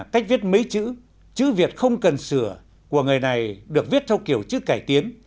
cách viết mấy chữ chữ việt không cần sửa của người này được viết theo kiểu chữ cải tiến